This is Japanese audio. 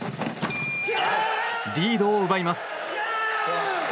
リードを奪います。